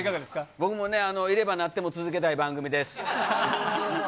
僕もね、入れ歯なっても続けたい番組です。